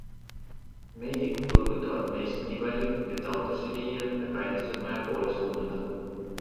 Meedikud turgutavad meest nii palju, et ta autosse viia ja kainestusmaja poole suunduda.